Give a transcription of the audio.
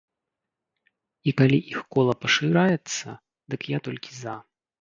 І калі іх кола пашыраецца, дык я толькі за.